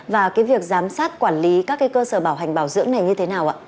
và việc giám sát quản lý các cơ sở bảo hành bảo dưỡng này như thế nào ạ